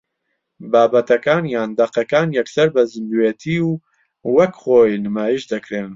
بابەتەکان یان دەقەکان یەکسەر بە زیندووێتی و وەک خۆی نمایش دەکرێن